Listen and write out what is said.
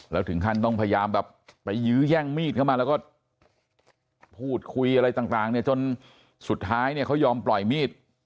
แล้วถึงขั้นต้องพยายามแบบไปยื้อแย่งมีดเข้ามาแล้วก็พูดคุยอะไรต่างเนี่ยจนสุดท้ายเนี่ยเขายอมปล่อยมีด